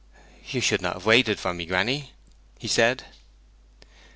'You should not have waited for me, granny,' he said.